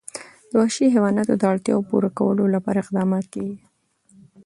د وحشي حیواناتو د اړتیاوو پوره کولو لپاره اقدامات کېږي.